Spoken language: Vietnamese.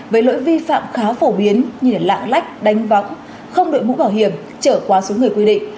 với lỗi vi phạm khá phổ biến như lạng lách đánh võng không đội mũ bảo hiểm trở qua số người quy định